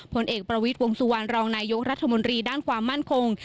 ผลเอกประวิทย์วงสุวรรณรองนายกรัฐมนตรีด้านความมั่นคง